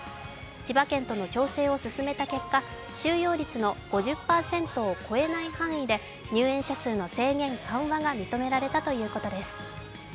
千葉県との調整を進めた結果、収容率の５０％を超えない範囲で入園者数の制限緩和が認められたということです。